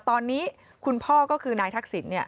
ตอนนี้คุณพ่อก็คือนายทักษิณ